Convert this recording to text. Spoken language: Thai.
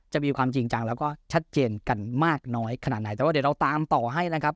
จะมีความจริงจังแล้วก็ชัดเจนกันมากน้อยขนาดไหนแต่ว่าเดี๋ยวเราตามต่อให้นะครับ